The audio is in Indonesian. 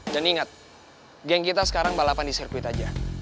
dan ingat geng kita sekarang balapan di sirkuit aja